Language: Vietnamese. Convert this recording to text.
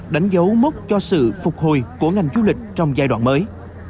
đánh dấu mốc cho sự phục hồi của ngành du lịch trong giai đoạn mới